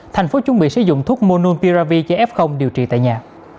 thành phố chuẩn bị sử dụng thuốc monupiravir cho f điều trị tại nhà